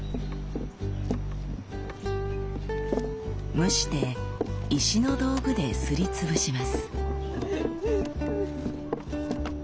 蒸して石の道具ですりつぶします。